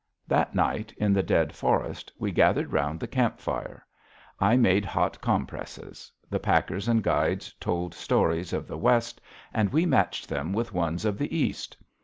That night, in the dead forest, we gathered round the camp fire. I made hot compresses. The packers and guides told stories of the West, and we matched them with ones of the East.